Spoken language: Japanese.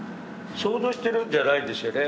想像してるんじゃないんですよね。